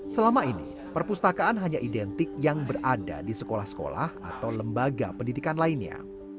selama ini perpustakaan hanya identik yang berada di sekolah sekolah atau lembaga pendidikan lainnya